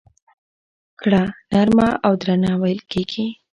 ګړه نرمه او درنه وېل کېږي.